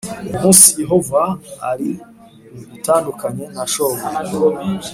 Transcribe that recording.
uyu munsi Yehova ari bugutandukanye na shobuja